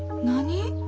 何？